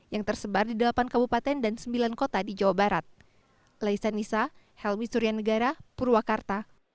yang tersebar di delapan kabupaten dan sembilan kota di jawa barat